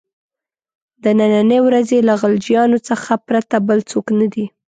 د نني ورځې له غلجیانو څخه پرته بل څوک نه دي.